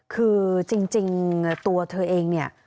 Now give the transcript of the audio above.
คือจริงตัวเธอเองเนี่ย